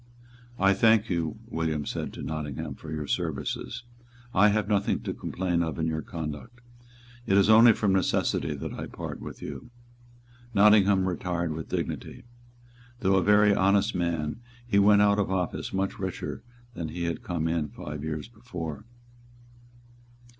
"I thank you," William said to Nottingham, "for your services. I have nothing to complain of in your conduct. It is only from necessity that I part with you." Nottingham retired with dignity. Though a very honest man, he went out of office much richer than he had come in five years before.